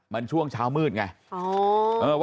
มันช่วงเช้ามืดไง